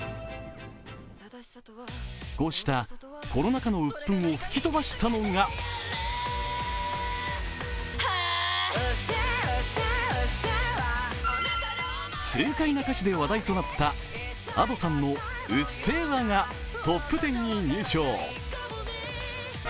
こうしたコロナ禍のうっぷんを吹き飛ばしたのが痛快な歌詞で話題となったＡｄｏさんの「うっせぇわ」がトップ１０に入賞。